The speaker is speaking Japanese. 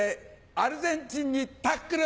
アルゼンチンにタックル！